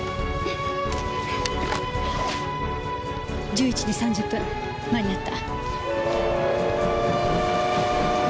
１１時３０分間に合った。